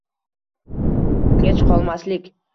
Kech qolmaslik.